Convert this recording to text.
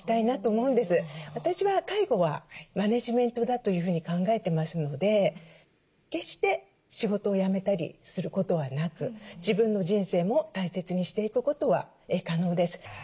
私は介護はマネジメントだというふうに考えてますので決して仕事を辞めたりすることはなく自分の人生も大切にしていくことは可能です。